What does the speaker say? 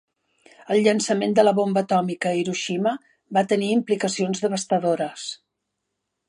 El llançament de la bomba atòmica a Hiroshima va tenir implicacions devastadores.